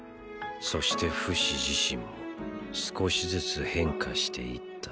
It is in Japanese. そしてフシ自身も少しずつ変化していった。